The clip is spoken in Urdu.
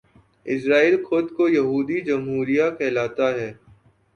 اسرائیل خود کو یہودی جمہوریہ کہلاتا ہے